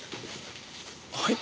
はい。